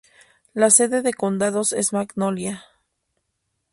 La sede del condado es Magnolia.